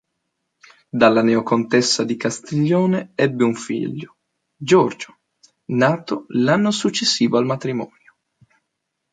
Dalla neo contessa di Castiglione ebbe un figlio, Giorgio, nato l'anno successivo al matrimonio.